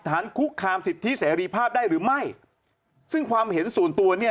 คุกคามสิทธิเสรีภาพได้หรือไม่ซึ่งความเห็นส่วนตัวเนี่ย